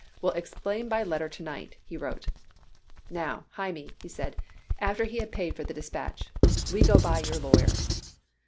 Will explain by letter to night," he wrote. "Now, Hymie," he said after he had paid for the dispatch, "we go by your lawyer."